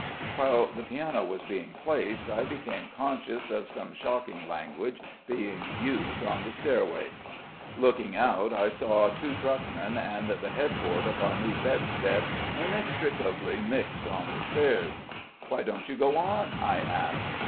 While the piano was being placed I became conscious of some shocking language being used on the stairway. Looking out I saw two truckmen and the headboard of our new bedstead inextricably mixed on the stairs. "Why don't you go on?" I asked.